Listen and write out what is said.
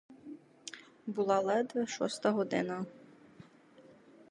Була ледве шоста година.